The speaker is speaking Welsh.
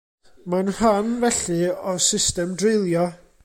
Mae'n rhan, felly, o'r system dreulio.